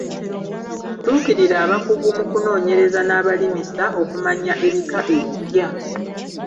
Tuukirira abakugu mu kunoonyereza n’abalimisa okumanya ebika ebipya.